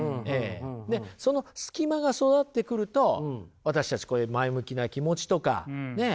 でその隙間が育ってくると私たちこういう前向きな気持ちとかねえ